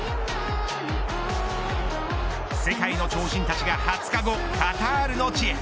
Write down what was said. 世界の超人たちが２０日後カタールの地へ。